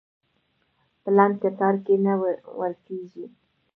په لنډ کتار کې نه ورکېږي.